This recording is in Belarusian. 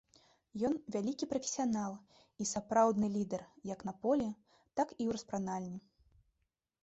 Ён вялікі прафесіянал і сапраўдны лідар як на полі, так і ў распранальні.